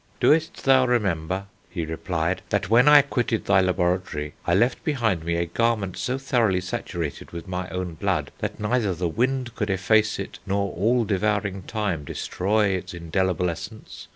'Dost thou remember,' he replied, that when I quitted thy laboratory, I left behind me a garment so thoroughly saturated with my own blood, that neither the wind could efface it, nor all devouring time destroy its indelible essence?